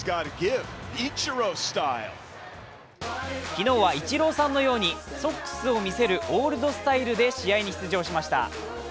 昨日はイチローさんのようにソックスを見せるオールドスタイルで試合に出場しました。